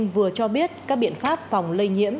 vừa cho biết các biện pháp phòng lây nhiễm